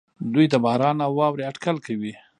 دوی د باران او واورې اټکل کوي.